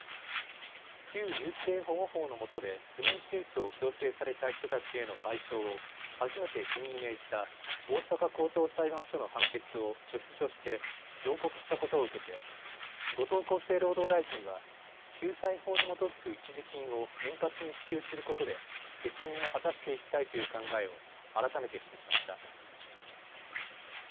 旧優生保護法のもとで不妊手術を強制された人たちへの賠償を初めて国に命じた大阪高等裁判所の判決を不服として上告したことを受けて後藤厚生労働大臣は救済法に基づく一時金を円滑に支給することで責任を果たしていきたいという考えを改めて示しました。